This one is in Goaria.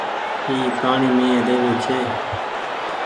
اي پآڻيٚ مين رهوي ڇي۔